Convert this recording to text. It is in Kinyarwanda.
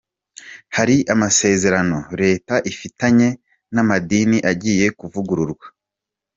Hari amasezerano Leta ifitanye n’amadini agiye kuvugururwa.